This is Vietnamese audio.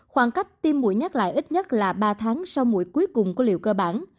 khoảng cách tiêm mũi nhắc lại ít nhất là ba tháng sau mũi cuối cùng của liệu cơ bản